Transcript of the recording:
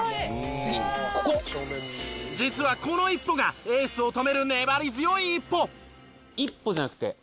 実はこの一歩がエースを止める粘り強い一歩。